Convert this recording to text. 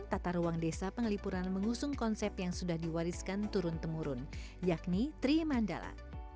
tata ruang desa pengelipuran mengusung konsep yang sudah diwariskan turun temurun yakni tri mandala